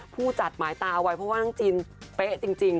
ผู้จัดหมายตาเอาไว้เพราะว่าน้องจีนเป๊ะจริง